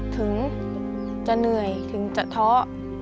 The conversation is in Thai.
ถึงจะเหนื่อยถึงจะท้อ